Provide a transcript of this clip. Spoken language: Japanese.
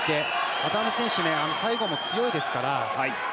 渡辺選手、最後も強いですから。